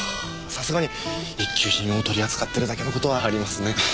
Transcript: さすがに一級品を取り扱ってるだけの事はありますね。